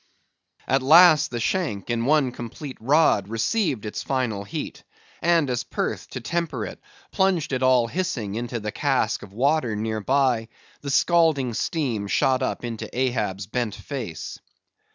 At last the shank, in one complete rod, received its final heat; and as Perth, to temper it, plunged it all hissing into the cask of water near by, the scalding steam shot up into Ahab's bent face.